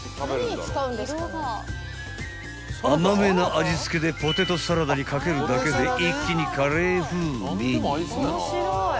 ［甘めな味付けでポテトサラダに掛けるだけで一気にカレー風味に］